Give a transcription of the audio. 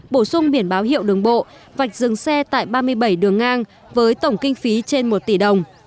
bổ sung biển báo hiệu đường bộ vạch dừng xe tại ba mươi bảy đường ngang với tổng kinh phí trên một tỷ đồng